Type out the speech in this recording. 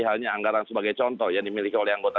halnya anggaran sebagai contoh yang dimiliki oleh anggota